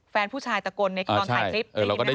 แฟนผู้ชายตะโกนในตอนถ่ายคลิป